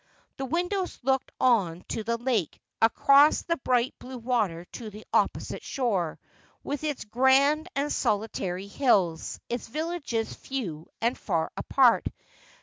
The windows looked on to the lake, across the bright blue water to the opposite shore, with its grand and solitary hills, its villages few and far apart.